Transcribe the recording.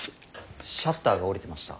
シャッターが下りてました。